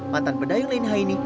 mantan pedayung lain haini